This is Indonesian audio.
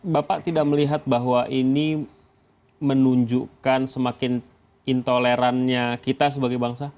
bapak tidak melihat bahwa ini menunjukkan semakin intolerannya kita sebagai bangsa